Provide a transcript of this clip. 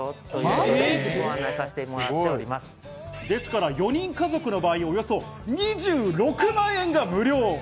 ですから４人家族の場合、およそ２６万円が無料。